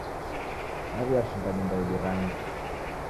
Daw'iashinga nyumba yedu rangi